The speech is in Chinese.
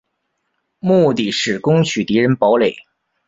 目的是攻取敌人堡垒。